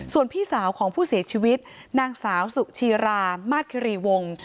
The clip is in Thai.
ส่วนพี่สาวของผู้เสียชีวิตนางสาวสุชีรามาสคิรีวงศ์